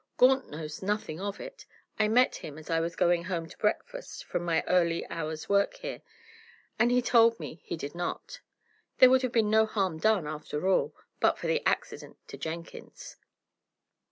"Gaunt knows nothing of it. I met him as I was going home to breakfast from my early hour's work here, and he told me he did not. There would have been no harm done, after all, but for the accident to Jenkins."